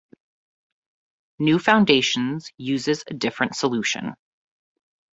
New Foundations uses a different solution.